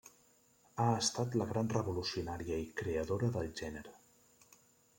Ha estat la gran revolucionària i creadora del gènere.